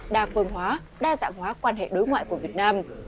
đa phương hóa đa dạng hóa quan hệ đối ngoại của việt nam